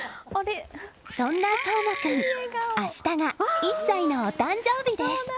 そんな想真君明日が１歳のお誕生日です！